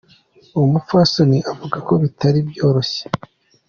Uwo mupfasoni avuga ko bitari vyoroshe.